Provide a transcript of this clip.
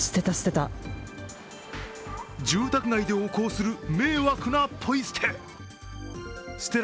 住宅街で横行する迷惑なポイ捨て。